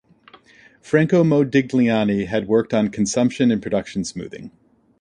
Franco Modigliani had worked on consumption and production smoothing.